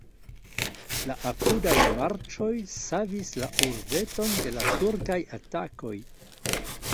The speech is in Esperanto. La apudaj marĉoj savis la urbeton de la turkaj atakoj.